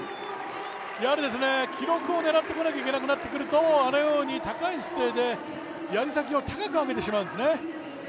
記録を狙ってこなきゃいけなくなるとあのように高い姿勢で、やり先を高く上げてしまうんですね。